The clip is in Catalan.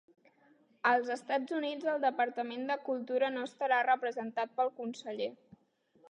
Als Estats Units, el Departament de Cultura no estarà representat pel conseller.